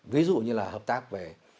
ví dụ như là hợp tác về